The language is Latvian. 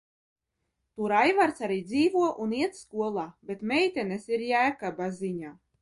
Tur Aivars arī dzīvo un iet skolā, bet meitenes ir Jēkaba ziņā.